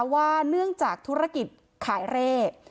ว่าเนื่องจากธุรกิจขายเร่